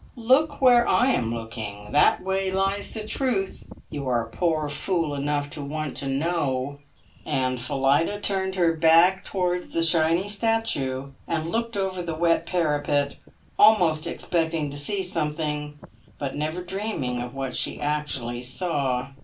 Look where I am looking; that way lies the truth you are poor fool enough to want to know!" And Phillida turned her back towards the shiny statue, and looked over the wet parapet, almost expecting to see something, but never dreaming of what she actually saw.